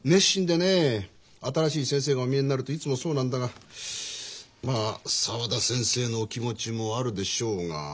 新しい先生がお見えになるといつもそうなんだがまあ沢田先生のお気持ちもあるでしょうが。